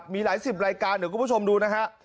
มีหลายสิบรายการเดี๋ยวก็ชมดู